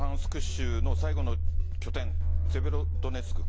州の最後の拠点セベロドネツク